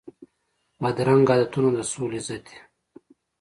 بدرنګه عادتونه د سولي ضد دي